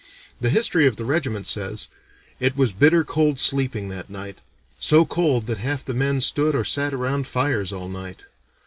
The history of the regiment says: "It was bitter cold sleeping that night so cold that half the men stood or sat around fires all night.